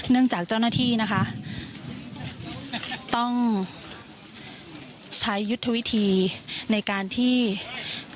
จากเจ้าหน้าที่นะคะต้องใช้ยุทธวิธีในการที่